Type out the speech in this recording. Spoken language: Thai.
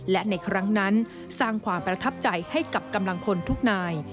และในครั้งนั้นสร้างความประทับใจให้กับกำลังคนทุกนาย